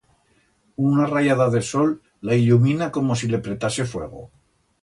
Una rayada de sol la illumina como si le pretase fuego.